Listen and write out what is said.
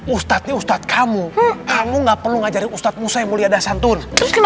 ustadz ustadz kamu kamu nggak perlu ngajarin ustadz musa yang mulia dasantun